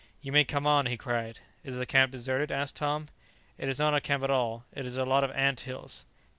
"You may come on," he cried. "Is the camp deserted?" asked Tom. "It is not a camp at all; it is a lot of ant hills!"